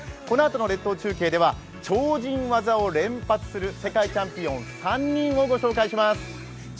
このあとの列島中継では超人技を連発する世界チャンピオン３人をご紹介します。